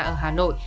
ở hà nội